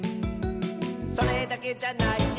「それだけじゃないよ」